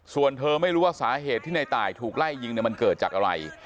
ส่วนเธอไม่รู้ว่าสาเหตุที่ในตายถูกไล่ยิงมันเกิดจากอะไร